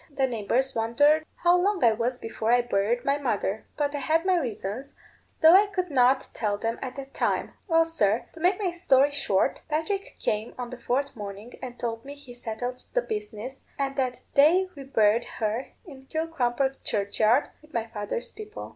The neighbours wondered how long I was before I buried my mother; but I had my reasons, though I could not tell them at that time. Well, sir, to make my story short, Patrick came on the fourth morning and told me he settled the business, and that day we buried her in Kilcrumper churchyard, with my father's people."